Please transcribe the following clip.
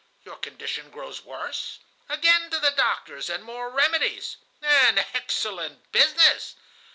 Your condition grows worse? Again to the doctors, and more remedies! An excellent business!